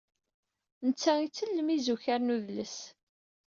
Netta ittellem tizukar n udles.